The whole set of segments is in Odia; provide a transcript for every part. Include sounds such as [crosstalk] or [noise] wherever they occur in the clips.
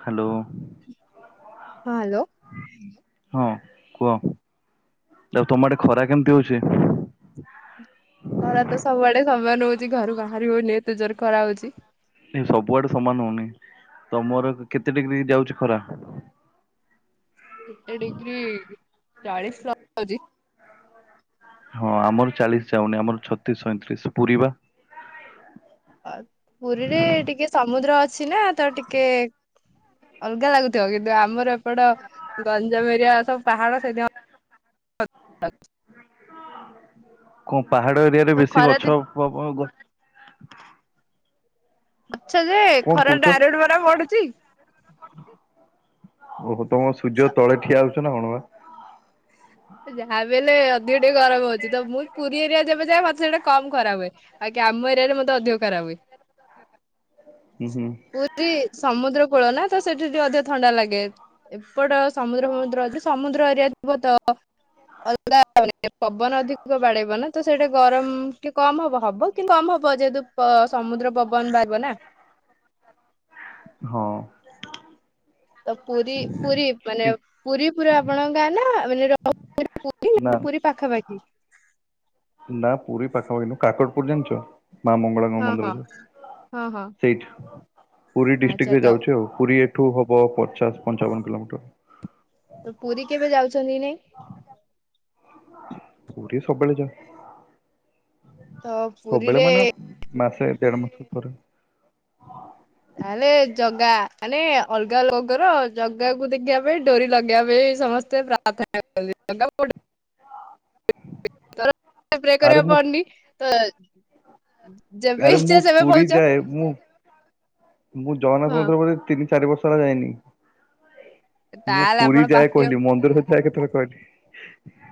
ହାଲୋ। ହଁ ହ୍ୟାଲୋ ହଁ କୁଅ ତାପରେ ତମ ଆଡ଼େ ଖରା କେମିତି ହଉଛି? ଖରା ତ ସବୁଆଡେ ସମାନେ ହଉଚି। ଘରୁ ବାହାରି ହଉନି ଏତେ ଜୋର ଖରା ହଉଛି। ନାଇଁ ସବୁଆଡେ ସମାନ ହଉନି। ତମର କେତେ ଡିଗ୍ରୀ ଯାଉଛି ଖରା? କେତେ ଡିଗ୍ରୀ ଚାଳିଶ ପ୍ଲସ ହଉଛି। ହଁ ଆମର ଚାଳିଶ ଯାଉନି ଆମର ଛତିଶ ସଇଁତିରିଶ ପୁରି ବା। ପୁରୀରେ ଟିକେ ସମୁଦ୍ର ଅଛି ନା ତ ଟିକେ ଅଲଗା ଲାଗୁଥିବ କିନ୍ତୁ ଆମର ଏପଟ ଗଞ୍ଜମ ଏରିଆ ସବୁ ପାହାଡ [unintelligible] କଣ ପାହାଡ ଏରିଆ ରେ ତ ବେଶୀ ଖରା ଗଛ [unintelligible] ଗଛ ଯେ କଣ ଖରାଟା କହୁଛ? ଡାଇରେକ୍ଟ ପରା ପଡୁଚି। ଓହୋ ତମ ସୂର୍ଯ୍ୟ ତଳେ ଠିଆ ହଉଛ ନା କଣ ବା। ଯାହାବି ହେଲେ ଅଧିକ ଟିକେ ଗରମ ହଉଛି। ତ ମୁଁ ପୁରୀ ଏରିଆ ଯେବେ ଯାଏ ମତେ ସେଇଟା କମ ଖରା ହୁଏ। ଆଜ୍ଞା ଆମ ଏରିଆରେ ମତେ ଅଧିକ ଖରା ହୁଏ। ହୁଁ ହୁଁ ପୁରୀ ସମୁଦ୍ର କୂଳ ନା ତ ସେଠି ଟିକିଏ ଅଧିକ ଥଣ୍ଡା ଲାଗେ। ଏପଟ ସମୁଦ୍ର ଫମୁଦ୍ର ଅଛି ସମୁଦ୍ର ଏରିଆ ଥିବ ତ [unintelligible] ପବନ ଅଧିକ ବାଡେଇବ ନା ତ ସେଇଟା ଗରମ କି କମ ହବ ହବ କି କମ ହବ ଯେହେତୁ ପ ସମୁଦ୍ର ପବନ ବାରିବ ନା। ହଁ। ତ ପୁରୀ ପୁରୀ ମାନେ କି- ପୁରୀ ପୁରା ଆପଣଙ୍କ ଗାଆଁ ନା [unintelligible] ନା। ପୁରୀ ପାଖାପାଖି। ନା ପୁରୀ ପାଖାପାଖି ନୁ କାକଟପୁର ଜାଣିଛ ମା ମଙ୍ଗଳା ମାଆ ହଁ ହଁ ମନ୍ଦିର ହଁ ହଁ ଯୋଉ ସେଇଠି ପୁରୀ ଆଚ୍ଛା ଡିଷ୍ଟିକରେ ତ ଯାଉଛି ଆଉ ପୁରୀ ଠୁ ହବ ପଚାଶ ପଞ୍ଚାବନ କିଲୋମିଟର। ତ ପୁରୀ କେବେ ଯାଉଛନ୍ତି କି ନାଇଁ? ପୁରୀ ସବୁବେଳେ ଯାଏ। ତ ସବୁବେଳେ ପୁରୀରେ ମାନେ ମାସେ ଦେଢ ମାସ ପରେ। ତାହେଲେ ଜଗା ମାନେ ଅଲଗା ଲୋକର ଜଗାକୁ ଦେଖିବା ପାଇଁ ଡୋରି ଲଗେଇବା ପାଇଁ ସମସ୍ତେ [unintelligible] [unintelligible] ପ୍ରେ ଆରେ କରିବାକୁ ମୁଁ ପଡୁନି। ତ ଆରେ ମୁଁ ପୁରୀ ଯାଏ ମୁଁ ମୁଁ ଜଗନ୍ନାଥ ହଁ ମନ୍ଦିର ପରେ ତିନି ଚାରି ବର୍ଷ ହେଲା ଯାଇନି। ମୁଁ ତାହେଲେ ପୁରୀ ଆପଣ ଯାଏ ପାପି ଆଉ କହିଲି ମନ୍ଦିରରେ ଯାଏ କେତେ ବେଳେ କହିଲି।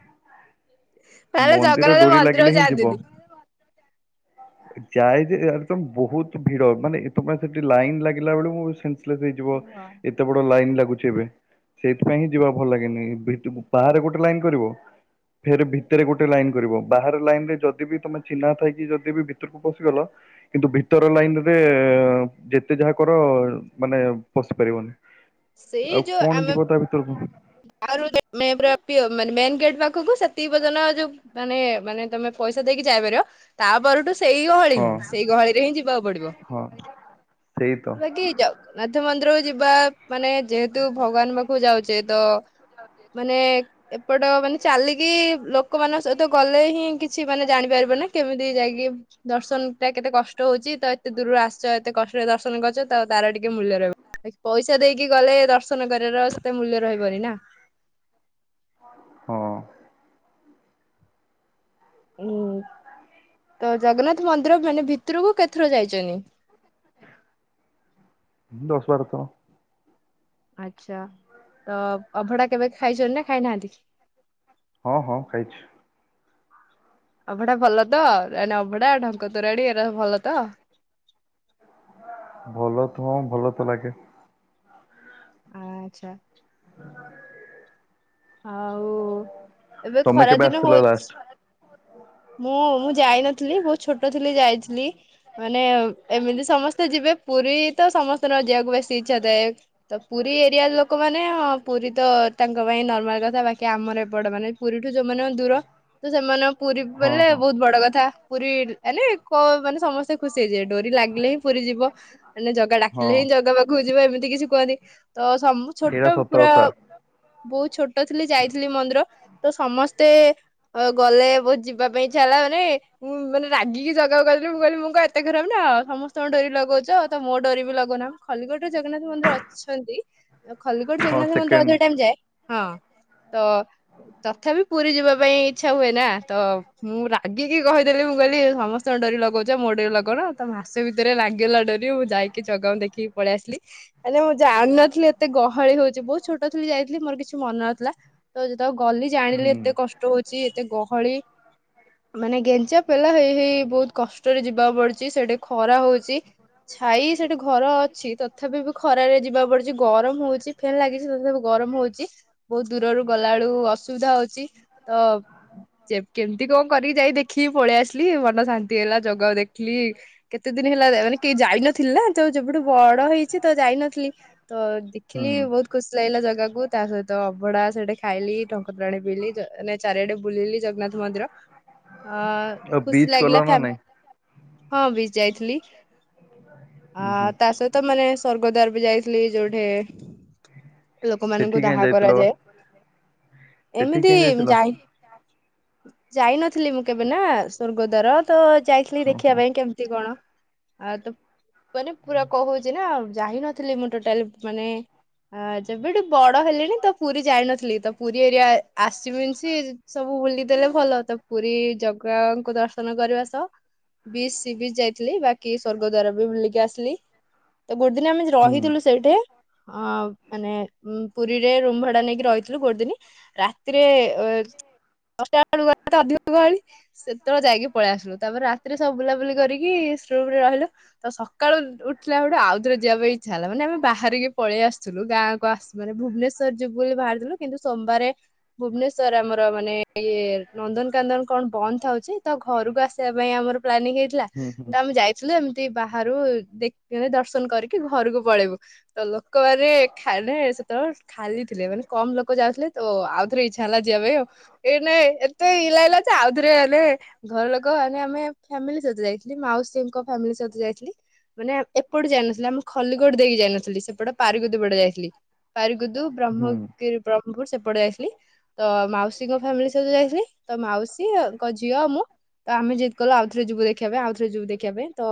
ତାହେଲେ ମନ୍ଦିର ଜଗନ୍ନାଥ ଡୋରି ମନ୍ଦିରକୁ ଲାଗିଲେ ହିଁ ଯିବ। ଯାଆନ୍ତିନି। ଯାଏ ଯେ ଇଆରେ ତ ବୋହୁତ ଭିଡ଼ ମାନେ [unintelligible] ସେଠି ଲାଇନ୍ ଲାଗିଲା ବେଳକୁ ମୁଁ ସେନ୍ସେଲେସ ହେଇଯିବ। ହଁ। କେତେ ବଡ ଲାଇନ୍ ଲାଗୁଛି ଏବେ ସେଇଥିପାଇଁ ହିଁ ଯିବା ଭଲ ଲାଗେନି ଭିତରକୁ ବାହାରେ ଗୋଟେ ଲାଇନ କରିବ। ଫେର ଭିତରେ ଗୋଟେ ଲାଇନ କରିବ ବାହାର ଲାଇନ ରେ ଯଦି ବି ତମେ ଚିହ୍ନା ଥାଇ କି ଯଦି ବି ଭିତରକୁ ପଶିଗଲ କିନ୍ତୁ ଭିତର ଲାଇନରେ ଯେତେ ଯାହା କର ମାନେ ପଶି ପାରିବନି। ସେଇ ଆଉ ଯୋଉ କଣ ଆମେ ଯିବ ତା ଭିତରକୁ। [inaudible] ମେନ୍ ଗେଟ୍ ପାଖକୁ ସେତିକି ପର୍ଯ୍ୟନ୍ତ ଯଉ ମାନେ ମାନେ ତମେ ପଇସା ଦେଇକି ଯାଇପାରିବ ତାପରଠୁ ସେଇ ଗହଳି ହିଁ ହଁ। ସେଇ ଗହଳିରେ ହିଁ ଯିବାକୁ ପଡିବ ହଁ ସେଇ ତ ବାକି ଯାଉ। ନାଥ ମନ୍ଦିରକୁ ଯିବା ମାନେ ଯେହେତୁ ଭଗବାନ ପାଖକୁ ଯାଉଛେ ତ ମାନେ ଏପଟ ମାନେ ଚାଲିକି ଲୋକମାନଙ୍କ ସହିତ ଗଲେ ହିଁ କିଛି ମାନେ ଜାଣିପାରିବ ନା କେମିତି ଯାଇକି ଦର୍ଶନ ଟା କେତେ କଷ୍ଟ ହଉଛି ତ ଏତେ ଦୂରରୁ ଆସଛ ଏତେ କଷ୍ଟରେ ଦର୍ଶନ କରଛ ତାର ଟିକେ ମୂଲ୍ୟ ରହିବ। ପଇସା ଦେଇକି ଗଲେ ଦର୍ଶନ କରିବାର ସେତେ ମୂଲ୍ୟ ରହିବନି ନା। [unintelligible] ହଁ ହୁଁ ତ ଜଗନ୍ନାଥ ମନ୍ଦିର ମାନେ ଭିତରକୁ କେତେଥର ଯାଇଛନ୍ତି। [inaudible] ଦଶ ବାର ଥର। ଆଚ୍ଛା ତ ଅବଢା କେବେ ଖାଇଛନ୍ତି ନା ଖାଇନାହାନ୍ତି? ହଁ ହଁ ଖାଇଛି। ଅବଢା ଭଲ ତ ଏଣ ଅବଢା ଢଙ୍କତୋରାଣୀ ଏରା ଭଲ ତ। ଭଲ ତ ହଁ ଭଲ ତ ଲାଗେ। ଆଚ୍ଛା ହଁ [inaudible] ଆଉ ଏବେ ତମେ ଖରା କେବେ ଦିନ ଆସିଥିଲ ହଉଛି ଲାଷ୍ଟରେ ମୁଁ ଯାଇନଥିଲି ବହୁତ ଛୋଟ ଥିଲି ଯାଇଥିଲି। ମାନେ ଏମିତି ସମସ୍ତେ ଯିବେ ପୁରୀ ତ ସମସ୍ତଙ୍କର ଯିବାକୁ ବେଶୀ ଇଚ୍ଛା ଥାଏ। ତ ପୁରୀ ଏରିଆ ଲୋକ ମାନେ ହଁ ପୁରୀ ତ ତାଙ୍କ ପାଇଁ ନ କଥା ବାକି ଆମର ଏପଡ ମାନେ ପୁରୀଠୁ ଯୋଉମାନେ ଦୂର ତ ସେମାନେ ପୁରୀ ହଁ ବୋଲେ ହଁ ବହୁତ ବଡ କଥା ପୁରୀ ମାନେ କ ମାନେ ସମସ୍ତେ ଖୁସି ହେଇଯିବେ ଡୋରି ଲାଗିଲେ ହିଁ ପୁରୀ ଯିବ ମାନେ ଜଗା ହଁ ଡାକିଲେ ହିଁ ଜଗା ପାଖକୁ ଯିବ ଏମିତି କିଛି କୁହନ୍ତି। ତ ଏଇଟା ଛୋଟ ସତ ପୁରା କଥା ବହୁତ ଛୋଟ ଛୋଟ ଥିଲି ଯାଇଥିଲି ମନ୍ଦିର ତ ସମସ୍ତେ ଗଲେ ବ ଯିବା ପାଇଁ ଇଛା ହେଲା ମାନେ ମୁଁ ମାନେ ରାଗିକି ଜଗାକୁ କହିଥିଲି ମୁଁ କହିଲି ମୁଁ କଣ ଏତେ ଖରପ ନା କଣ ସମସ୍ତଙ୍କ ଡୋରି ଲଗଉଛ ତ ମୋ ଡୋରି ବି ଲଗଉନ। ଖଲିଗଡ ରେ ଜଗନ୍ନାଥ ମନ୍ଦିର ଅଛନ୍ତି ଖଲିଗଡ ହଁ ଜଗନ୍ନାଥ ମନ୍ଦିର ସେକେଣ୍ଡ ଅଧିକ ଟାଇମ ଯାଏ ହଁ। ତ ତଥାପି ପୁରୀ ଯିବା ପାଇଁ ଇଚ୍ଛା ହୁଏ ନା ତ ମୁଁ ରାଗିକି କହିଦେଲି ମୁଁ କହିଲି ସମସ୍ତେ ଡୋରି ଲଗଉଛ ମୋ ଡୋରି ଲଗଉନ ତ ମାସେ ଭିତରେ ଲାଗିଗଲା ଡୋରି ମୁଁ ଯାଇକି ଜଗାକୁ ଦେଖିକି ପଳେଇ ଆସିଲି। ମାନେ ମୁଁ ଜାଣିନଥିଲି ଏତେ ଗହଳି ହଉଛି ବହୁତ ଛୋଟ ଥିଲ ଯାଇଥିଲ ମୋର କିଛି ମନ ନ ଥିଲା ତ ଯେତେବେଳେ ଗଲି ଜାଣିଲି ହୁଁ ଏତେ କଷ୍ଟ ରହୁଛି ଏତେ ଗହଳି [inaudible] ମାନେ ଗେଞ୍ଜା ପେଲା ହେଇ ହେଇ ବହୁତ କଷ୍ଟରେ ଯିବାକୁ ପଡୁଛି ସେଠି ଖରା ହଉଛି। ଛାଇ ସେଠି ଘର ଅଛି ତଥାପି ବି ଖରାରେ ଯିବା କୁ ପଡୁଛି ଗରମ ହଉଛି। ଫ୍ୟାନ ଲାଗିଛି ସେ ସବୁ ଗରମ ହଉଛି ବହୁତ ଦୂରରୁ ଗଲା ବେଳୁ ଅସୁବିଧା ହଉଛି ତ କେମିତି କଣ କରିକି ଯାଇ ଦେଖିକି ପଳେଇ ଆସିଲି ମନ ଶାନ୍ତି ହେଲା ଜଗା କୁ ଦେଖି। କଲିକ୍ କେତେ ଦିନ ହେଲା ମାନେ କେ ଯାଇନଥିଲି ନା ଯୋ ଯେବେଠୁ ବଡ ହେଇଛି ତ ଯାଇନଥିଲି। ତ ହୁଁ ଦେଖିଲି ବହୁତ ଖୁସି ଲାଗିଲା ଜାଗାକୁୁ ତା ସହିତ ତ ଅବଡ଼ା ସେଠି ଖାଇଲି ଟଙ୍କତୋରାଣି ପିଇଲି ଜ ନାଇଁ ଚାରିଆଡ଼େ ବୁଲିଲି ଜଗନ୍ନାଥ ମନ୍ଦିର। ହଁ ଆଉ ଖୁସି ବିଚ୍ ଗଲ ଲାଗିଲା ନା ଫ୍ୟା ନାଇଁ? ହଁ ବିଚ୍ ଯାଇଥିଲି ଅ ହୁଁ ହୁଁ ତା ସ ତ ମାନେ ସ୍ୱର୍ଗଦ୍ୱାର ବି ଯାଇଥିଲି ଯୋଉଠି ସେଠି ଲୋକମାନଙ୍କୁ ଦାହ କାଇଁ ଯାଇଥିଲ ବା? କରାଯାଏ ସେଠିକି ଏମିତି କେମିତି ଯାଇଥିଲ? ଯାଇ ଯାଇନଥିଲି ମୁଁ କେବେ ନାଁ ସ୍ୱର୍ଗଦ୍ୱାର ତ ଯାଇଥିଲି ଦେଖିବା ଓହୋ। ପାଇଁ କେମତି କଣ ଆଉ ତୁ ମାନେ ପୁରା କହୁଚିନା ଯାଇ ନଥିଲି ମୁଁ ଟୋଟାଲି ମାନେ ଆ ଯେବେଠୁ ବଡ଼ ହେଲେଣି ତ ପୁରୀ ଯାଇନଥିଲି ତ ପୁରୀ ଏରିଆ ଆସିବିନସି ସବୁ ବୁଲି ଦେଲେ ଭଲ ତ ପୁରୀ ଜଗାଙ୍କୁ ଦର୍ଶନ କରିବା ସହ ବିଚ୍ ସି ବିଚ୍ ଯାଇଥିଲି ବାକି ସ୍ଵର୍ଗଦ୍ୱାର ବି ବୁଲିକି ଆସିଲି ତ ଗୋଟେ ଦିନ ଆମେ ଯା ହୁଁ ରହିଥିଲୁ ସେଇଠି ଅ ମାନେ ଉଁ ପୁରୀ ରେ ରୁମ୍ ଭଡ଼ା ନେଇକି ରହିଥିଲୁ ଗୋଟେ ଦିନି ରାତିରେ ଏ ଦଶଟା ଅଳୁ ଗଲେତ ଅଧିକ ଗହଳି। ସେତୋଳ ଯାଇକି ପଳିଆସିଲୁ ତାପରେ ରାତିରେ ସବୁ ବୁଲାବୁଲି କରିକି ସ୍ ରୁମ୍ ରେ ରହିଲୁ। ତ ସକାଳୁ ଉଠିଲା ବେଳୁ ଆଉ ଥରେ ଯିବା ପାଇଁ ଇଚ୍ଛା ହେଲା ମାନେ ଆମେ ବାହାରିକି ପଳିଆସୁଥୁଲୁ ଗାଁକୁ ଆସୁ ଭାରି ଭୁବନେ ତ ଯିବୁ ବୋଲି ଭାରିଥିଲୁ କିନ୍ତୁ ସୋମବାରେ ଭୁବନେଶ୍ଵର ଆମର ମାନେ ଇଏ ନନ୍ଦନକନ୍ଦନ କଣ ବନ୍ଦ ଥାଉଚି ତ ଘରୁକୁ ଆସିବା ପାଇଁ ଆମର ପ୍ଲାନିଂ ହେଇ ଥିଲା ହୁଁ ତ ହୁଁ ଆମେ ଯାଇଥିଲୁ ଏମତି ବାହାରୁ ଦେ ଏ ଦର୍ଶନ କରିକି ଘରୁକୁ ପଳେଇବୁ। ତ ଲୋକମାନେ ଖାଲେ ସେତୋଳ ଖାଲି ଥିଲେ ମାନେ କମ ଲୋକ ଯାଉଥୁଲେ ତ ଆଉ ଥର ଇଚ୍ଛା ହେଲା ଯିବା ପାଇଁ ଆଉ। ଏଇନା ଏ ଏତେ ଇଏ ଲାଗିଲା ଯେ ଆଉ ଥରେ ଆଲେ ଘର ଲୋକ ଆନେ ଆମେ ଫ୍ୟାମିଲି ସହିତ ଯାଇଥିଲି ମାଉସୀଙ୍କ ଫ୍ୟାମିଲି ସହିତ ଯାଇଥିଲି। ମାନେ ଏପଟୁ ଯାଇନଥିଲେ ଆମେ ଖଲିକୋଟ ଦେଇକି ଯାଇନଥିଲି ସେପଟ ପାରିକୁଦ ପଟେ ଯାଇଥିଲି। ଉଦୁ ହୁଁ। ବ୍ରହ୍ମଗିରି ବ୍ରହ୍ମପୁର ସେପଟେ ଯାଇଥିଲି। ତ ମାଉସୀଙ୍କ ଫ୍ୟାମିଲି ସହିତ ଯାଇଥିଲି ତ ମାଉସୀଙ୍କ ଝିଅ ମୁଁ। ତ ଆମେ ଯିଦ୍ କଲୁ ଆଉ ଥରେ ଯିବୁ ଦେଖିବା ପାଇଁ ଆଉ ଥରେ ଯିବୁ ଦେଖିବା ପାଇଁ ତ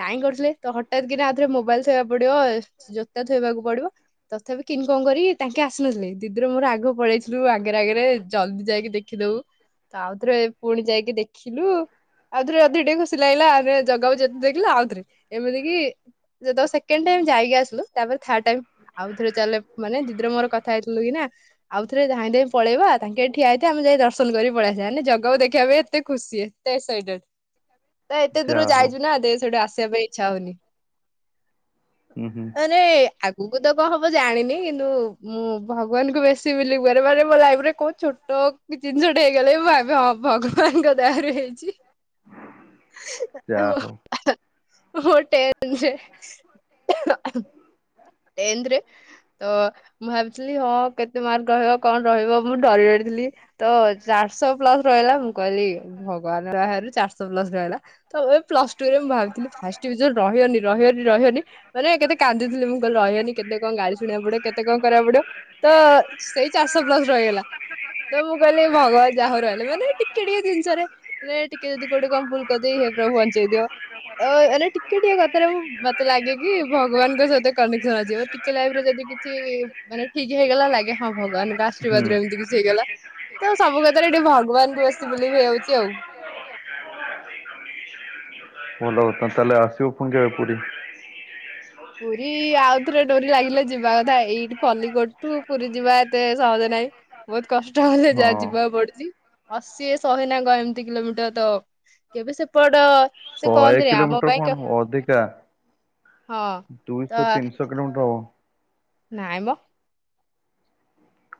ନାଇଁ କରୁଥୁଲେ ତ ହଠାତ୍ କିନା ଆଉ ଥରେ ମୋବାଇଲ୍ ଥୋଇବାକୁ ପଡ଼ିବ ଜୋତା ଥୋଇବାକୁ ପଡ଼ିବ ତଥାପି ଇଁ କଁ କରି ତାଙ୍କେ ଆସିନଥିଲେ ଦିଦିର ମୋର ଆଗ ପଳେଇଥିଲୁ ଆଗେରେ ଆଗେରେ ଜଲଦି ଯାଇକି ଦେଖିଦବୁ। ରଆଉ ଥରେ ପୁଣି ଯାଇକି ଦେଖିଲୁ। ଆଉ ଥରେ ଅଧିକ ଟିକେ ଖୁସି ଲାଗିଲା ଆମେ ଜଗାକୁ ଯେତେ ଦେଖିଲେ ଆଉ ଥରେ ଏମିତି କି ଯେ ଦ ସେ କେଣ୍ଡ୍ ଟାଇମ୍ ଯାଇକି ଆସିଲୁ ତାପରେ ଥାର୍ଡ ଟାଇମ୍ ଆଉ ଥରେ ଚାଲେ ମାନେ ଦିଦିର ମୋର କଥା ହେଇଥିଲୁ କି ନା ଆଉ ଥରେ ଧାଇଁ ଧାଇଁ ପଳେଇବା ତାଙ୍କେ ଠିଆ ହେଇଥିବେ ଆମେ ଯାଇ ଦର୍ଶନ କରି ପଳିଆସିବା ନେ ଜଗାକୁ ଦେଖିବା ପାଇଁ ଏତେ ଖୁସି ଏତେ ଏସ୍ ସାଇଟେଡ଼୍ ନାଁ ଏତେ ଯା ଦୂରୁ ହଉ ଯାଇଚୁ ନାଁ ଦେ ସେଠୁ ଆସିବା ପାଇଁ ଇଚ୍ଛା ହଉନି। ମାନେ ଆଗୁକୁ ତ କଁ ହବ ଜାଣିନି କିନ୍ତୁ ମୁଁ ଭଗବାନକୁ ବେଶୀ ବିଲିବ୍ କରେ ମାନେ ମୋ ଲାଇଫରେ କୋଉ ଛୋଟ ବି ଚିନଷଟେ ହେଇଗଲେ ମୁଁ ଭାବେ ହଁ ଭଗବାନଙ୍କ ଦୟାରୁ ହେଇଚି। ଯା ହଉ। ମୋ ଟେନସେ ଏନ୍ଥରେ ଓ ମୁଁ ଭାବିଥିଲି ହଁ କେତେ ମାର୍କ ରହିବ କଣ ରହିବ ମୁଁ ଡରି ଡରିଥିଲି। ତ ଚାରଶ ପ୍ଲସ ରହିଲା ମୁଁ କହିଲି ଭଗବାନ ଦହାରୁ ଚାରଶ ପ୍ଲସ ରହିଲା। ତ ଏବେ ପ୍ଲସ୍ ଟୁ ରେ ମୁଁ ଭାବିଥିଲି ଫାଷ୍ଟ ଡିଭିଜନ ରହିବନି ରହିବନି ରହବନି ମାନେ କେତେ କାନ୍ଦୁଥିଲି ମୁଁ କହିଲି ରହିବନି କେତେ କଁ ଗାଳି ଶୁଣିବାକୁ ପଡ଼ିବ କେତେ କଁ କରିବାକୁ ପଡ଼ିବ ତ ସେଇ ଚାଷ ପ୍ଲସ ରହିଗଲା। ତ ପ୍ଲସ୍ ମୁଁ କହିଲି ରହିଗଲା [inaudible] ମାନେ ଭଗବାନ ଚାହାନ୍ତି। ପଚାରେ ଟିକେ ଯଦି କୋଉଠି କଣ ଭୁଲ କରିଦେଇ ହେ ପ୍ରଭୁ ବଞ୍ଚେଇ ଦିଅ। ଓ ମାନେ ଟିକେ ଟିକେ କଥାରେ ମୁ ମତେ ଲାଗେ କି ଭଗବାନଙ୍କ ସହିତ ବ ଟିକେ ଲାଇଫ ରେ ଯଦି କିଛି ମାନେ ଠିକ ହେଇଗଲା ଲାଗେ ହଁ ଭଗବାନଙ୍କ ଆଶୀର୍ବାଦରୁ ଏମିତି କିଛି ହେଇଗଲା। ତ ସବୁ କଥାରେ ଏଠି ଭଗବାନକୁ ବେଶୀ ବିଲିଭ ହେଇ ଯାଉଛି ଆଉ ବଲ ତାଲେ ଆସିବୁ କେବେ ପୁରୀ? ପୁରୀ ଆଉଥରେ ଡୋରି ଲାଗିଲେ ଯିବା କଥା ଏଇଠି ଖଲିକୋଟଠୁ ପୁରୀ ଯିବା ଏତେ ସହଜ ନାହିଁ। ବହୁତ କଷ୍ଟ ହେଲେ ହଁ। ଯାହା ଯିବାକୁ ପଡୁଛି। ଅଶୀ ଶହେ ନାଙ୍କ ଏମିତି କିଲୋମିଟର ତ କେବେ ସେପଟ ସେ ଶହେ କହନ୍ତିନି ଆମ କିଲୋମିଟର ପାଇଁ କେ- କଣ ଅଧିକା ହଁ ଦୁଇଶହ ତିନିଶହ କିଲୋମିଟର ହବ। ନାଇଁମ।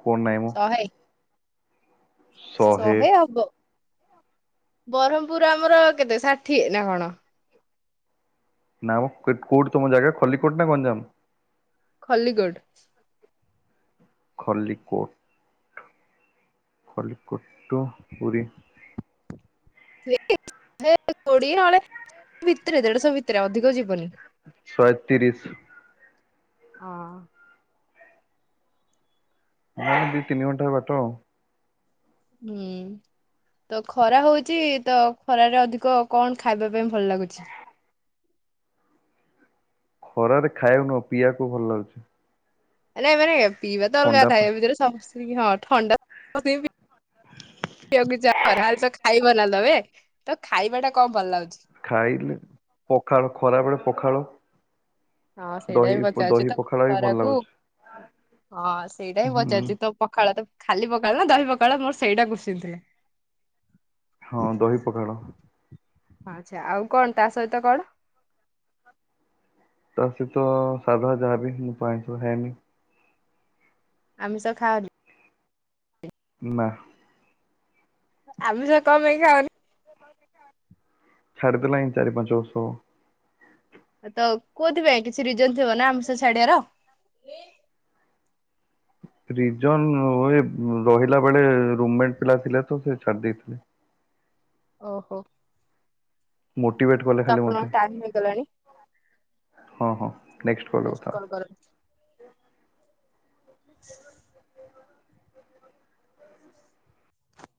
କଣ ନାହିଁମ? ଶହେ। ଶହେ ହବ ବରହମପୁର ଆମର କେତେ ଷାଠିଏ ନା କଣ? ନା କୋଉଠି ତମ ଜାଗା ଖଲିକୋଟ ନା ଗଞ୍ଜାମ? ଖଲିକୋଟ। ଖଲିିକୋଟ୍। ଖଲିକୋଟ ଟୁ ପୁରୀ? ସେଇ କୋଡିଏ ନ ଭିତରେ ଦେଢଶହ ଭିତରେ ଅଧିକ ଯିବନି। ଶହେତିରିଶ। ହଁ। ହଁ ତିନି ଘଣ୍ଟାର ବାଟ ଆଉ ହୁଁ। ତ ଖରା ହଉଛି ତ ଖରାରେ ଅଧିକ କଣ ଖାଇବା ପାଇଁ ଭଲ ଲାଗୁଛି? ଖରାରେ ଖାଇବାକୁ ନୁହଁ ପିଇବାକୁ ଭଲ ଲାଗୁଛି। ନ ଏ ମାନେ ପିଇବା ତ ଅଲଗା ଥଣ୍ଡା କଥା ପା ଆ ଭିତରେ ସମସ୍ତ ହଁ ଥଣ୍ଡା ପି ତ ଖାଇବ ନା ଦେବେ ତ ଖାଇବା ଟା କଣ ଭଲ ଲାଗୁଛି? ଖାଇଲେ ପଖାଳ ଖରାବେଳେ ପଖାଳ। ହଁ ସେଇଟା ବି ଦହି ପଚାରୁଛି ଦହି ତ ପଖାଳ ବି ଭଲ ଖରାକୁ ଲାଗୁଛି। ହଁ ସେଇଟା ହିଁ ହୁଁ ପଚାରୁଛି ତ ପଖାଳ ତ ଖାଲି ପଖାଳ ନା ଦହି ପଖାଳ ମୋର ସେଇଟା କୋତ୍ସିଂ ଥିଲା। ହଁ ଦହି ପଖାଳ। ଆଚ୍ଛା ଆଉ କଣ ତା ସହିତ କଣ? ତା ସହିତ ସାଧା ଯାହାବି ମୁଁ ତ ଆଇଁଷ ଖାଏନି। ଆମିଷ ଖାଅନି। ନା। ଆମିଷ କଣ ପାଇଁ ଖାଅନି? [inaudible] ଛାଡ଼ି ଦେଲାନି ଚାରି ପାଞ୍ଚ ବର୍ଷ ହବ। ତ କୋଉଥି ପାଇଁ କିଛି ରିଜନ ଥିବ ନା ଆମିଷ ଛାଡିବାର? ରିଜନ ରହିଲା ବେଳେ ରୁମେଟ ପିଲା ଥିଲେ ତ ସେ ଛାଡି ଦେଇଥିଲେ। ଓହୋ। ମୋଟିଭେଟ କଲେ ତ ଖାଲି ମତେ ଆପଣଙ୍କ ଟାଇମ ହେଇଗଲାଣି ହଁ ହଁ ନେକ୍ସଟ୍ କଲ ରେ ନେକ୍ସଟ କଥା ହବା। କରନ୍ତୁ।